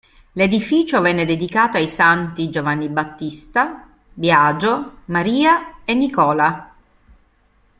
L'edificio venne dedicato ai santi Giovanni Battista, Biagio, Maria e Nicola.